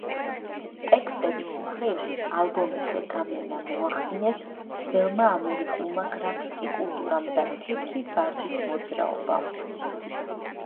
ტექსტების მხრივ, ალბომზე გავლენა მოახდინეს „ძველმა ამერიკულმა გრაფიტი კულტურამ და თეთრი ვარდის მოძრაობამ“.